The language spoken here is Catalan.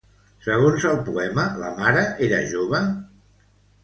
Segons el poema, la mare era jove?